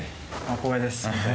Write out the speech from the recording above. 光栄です。